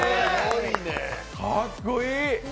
かっこいい！